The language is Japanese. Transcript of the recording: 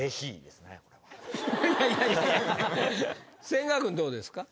千賀君どうですか？